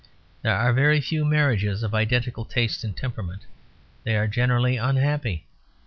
There are very few marriages of identical taste and temperament; they are generally unhappy.